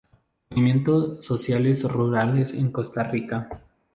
Movimiento sociales rurales en Costa Rica.".